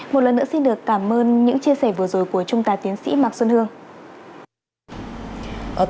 một lần nữa xin được cảm ơn những chia sẻ vừa rồi của trung tá tiến sĩ mạc xuân hương